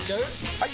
・はい！